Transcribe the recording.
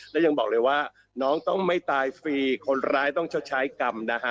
และยังบอกเลยว่าน้องต้องไม่ตายฟรีคนร้ายต้องชดใช้กรรมนะฮะ